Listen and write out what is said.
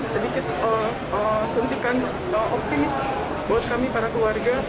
sedikit suntikan optimis buat kami para keluarga